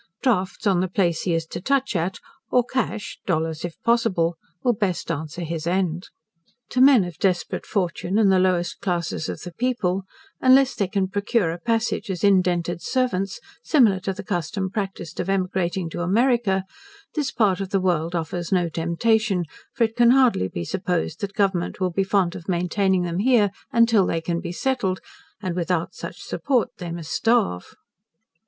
Drafts on the place he is to touch at, or cash (dollars if possible) will best answer his end. To men of desperate fortune and the lowest classes of the people, unless they can procure a passage as indented servants, similar to the custom practised of emigrating to America, this part of the world offers no temptation: for it can hardly be supposed, that Government will be fond of maintaining them here until they can be settled, and without such support they must starve.